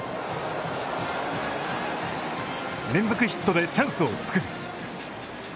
連続ヒットでチャンスを作る。